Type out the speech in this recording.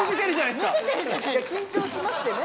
いや緊張しますってね。